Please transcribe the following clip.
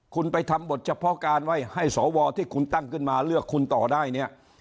คุณไปทำบทเฉพาะการไว้ให้สวที่คุณตั้งขึ้นมาเลือกคุณต่อได้เนี่ย